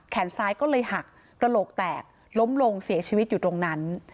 ซ้ายก็เลยหักกระโหลกแตกล้มลงเสียชีวิตอยู่ตรงนั้น